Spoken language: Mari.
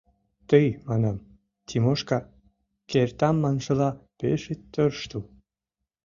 — Тый, — манам, — Тимошка, кертам маншыла, пеш ит тӧрштыл!